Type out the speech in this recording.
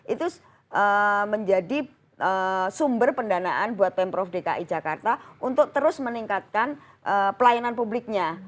itu menjadi sumber pendanaan buat pemprov dki jakarta untuk terus meningkatkan pelayanan publiknya